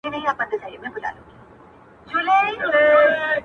o بيا تس ته سپكاوى كوي بدرنگه ككــرۍ؛